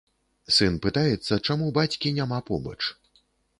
Сын пытаецца, чаму бацькі няма побач.